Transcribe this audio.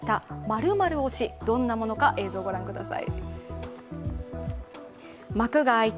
どんなものか、映像を御覧ください。